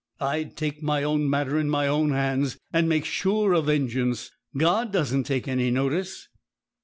I'd take my own matter in my own hands, and make sure of vengeance. God doesn't take any notice.'